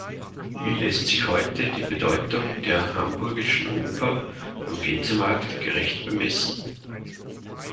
Wie lässt sich heute die Bedeutung der "Hamburgischen Oper am Gänsemarkt" gerecht bemessen?